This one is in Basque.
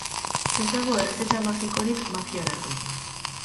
Ez dago errezeta magikorik magiarako.